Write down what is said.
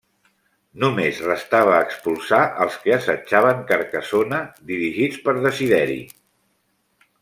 Només restava expulsar als que assetjaven Carcassona dirigits per Desideri.